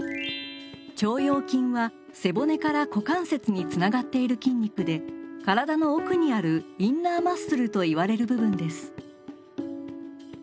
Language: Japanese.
腸腰筋は背骨から股関節につながっている筋肉で体の奥にあるインナーマッスルといわれる部分です。